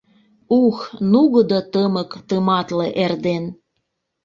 Ух, нугыдо тымык тыматле эрден!